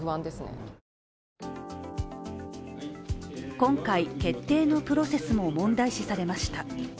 今回、決定のプロセスも問題視されました。